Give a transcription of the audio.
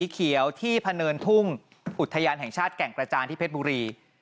เขียวที่พะเนินทุ่งอุทยานแห่งชาติแก่งกระจานที่เพชรบุรี